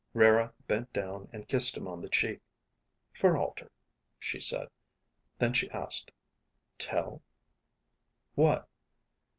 Rara bent down and kissed him on the cheek. "For Alter," she said. Then she asked, "Tel?" "What?"